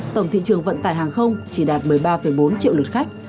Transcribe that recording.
tổng thị trường vận tải hàng không chỉ đạt một mươi ba bốn triệu lượt khách